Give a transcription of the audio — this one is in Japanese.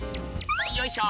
よいしょ！